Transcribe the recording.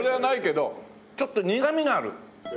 ちょっと苦みがある。